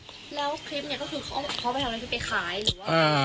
แล้วคลิปเนี้ยก็คือเขาไปทำอะไรคือไปขายหรือว่า